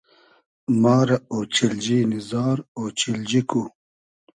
ما رۂ اۉچیلنی نی زار ، اۉچیلجی کو